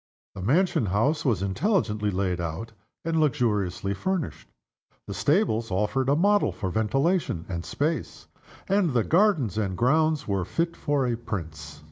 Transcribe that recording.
The mansion house was intelligently laid out, and luxuriously furnished. The stables offered a model for ventilation and space; and the gardens and grounds were fit for a prince.